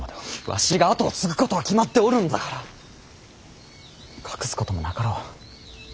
わしが跡を継ぐことは決まっておるのだから隠すこともなかろう。